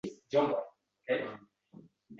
Naxanglarni koʼrib boʼldik biz.